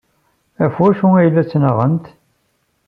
Ɣef wacu ay la ttnaɣent?